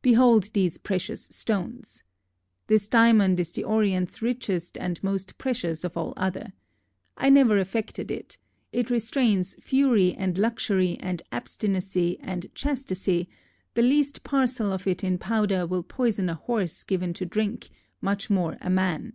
Behold these precious stones. This diomond is the orients richest and most precious of all other. I never affected it; yt restreyns furie and luxurie and abstinacie and chasticie; the least parcell of it in powder will poysen a horse geaven to drinck, much more a man."